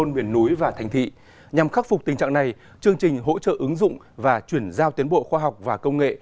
miền núi và thành thị nhằm khắc phục tình trạng này chương trình hỗ trợ ứng dụng và chuyển giao tiến bộ khoa học và công nghệ